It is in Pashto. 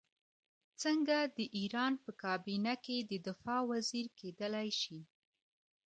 څنګه د ایران په کابینه کې د دفاع وزیر کېدلای شي.